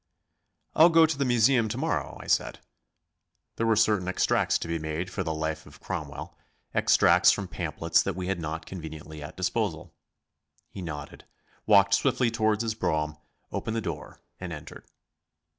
"I'll go to the Museum to morrow," I said. There were certain extracts to be made for the "Life of Cromwell" extracts from pamphlets that we had not conveniently at disposal. He nodded, walked swiftly toward his brougham, opened the door and entered.